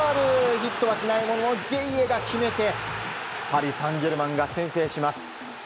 ヒットはしないもののゲィエが決めてパリ・サンジェルマンが先制します。